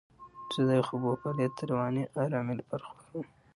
زه د یخو اوبو فعالیت د رواني آرامۍ لپاره خوښوم.